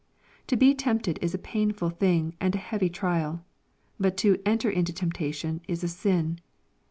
To be tempted is a painful thing, and a heavy trial ; but to " enter into temptation" is a sin.